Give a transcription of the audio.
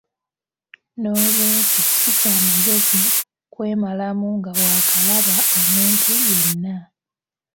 Nolwekyo si kya magezi kwemalamu nga waakalaba omuntu yenna.